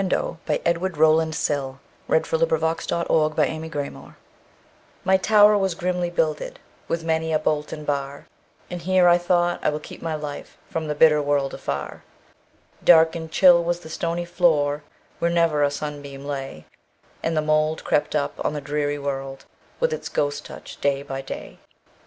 1912. Edward Rowland Sill 1841–1887 Edward Rowland Sill 207 The Open Window MY tower was grimly builded, With many a bolt and bar,"And here," I thought, "I will keep my lifeFrom the bitter world afar."Dark and chill was the stony floor, Where never a sunbeam lay, And the mould crept up on the dreary wall, With its ghost touch, day by day.